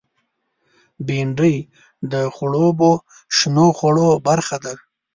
بېنډۍ د خړوبو شنو خوړو برخه ده